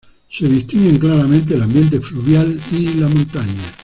Se distinguen claramente el ambiente fluvial y la montaña.